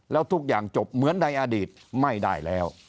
แล้วทุกอย่างจบเหมือนในอดีตไม่ได้แล้ว